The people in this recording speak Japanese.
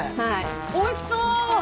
おいしそう！